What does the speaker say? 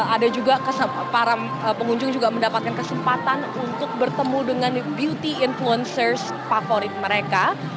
ada juga para pengunjung juga mendapatkan kesempatan untuk bertemu dengan beauty influencers favorit mereka